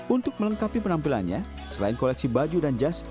untuk melengkapi penampilannya selain koleksi baju dan jas